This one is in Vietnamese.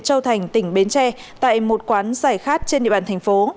châu thành tỉnh bến tre tại một quán giải khát trên địa bàn thành phố